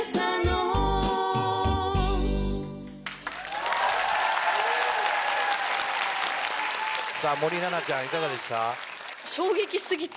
・・すごい！・森七菜ちゃんいかがでした？